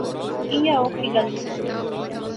ایہہ اوخی گل تھی